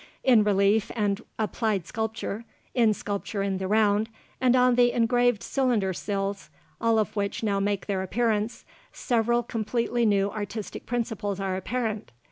In relief and applied sculpture, in sculpture in the round, and on the engraved cylinder seals all of which now make their appearance several completely new artistic principles are apparent.